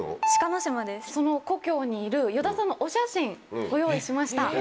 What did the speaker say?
その故郷にいる与田さんのお写真ご用意しました。